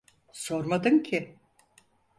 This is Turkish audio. Sormadın ki.